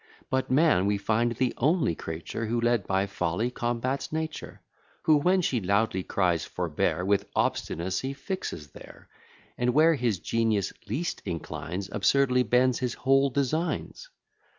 But man we find the only creature Who, led by Folly, combats Nature; Who, when she loudly cries, Forbear, With obstinacy fixes there; And, where his genius least inclines, Absurdly bends his whole designs.